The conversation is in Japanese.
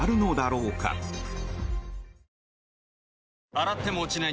洗っても落ちない